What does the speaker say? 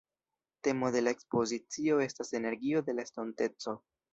Temo de la ekspozicio estas «Energio de la Estonteco».